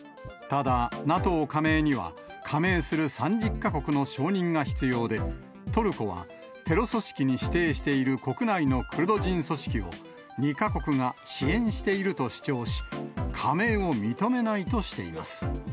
ただ、ＮＡＴＯ加盟には、加盟する３０か国の承認が必要で、トルコは、テロ組織に指定している国内のクルド人組織を２か国が支援していると主張し、加盟を認めないとしています。